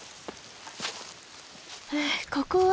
ここは？